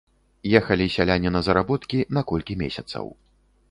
Ехалі сяляне на заработкі на колькі месяцаў.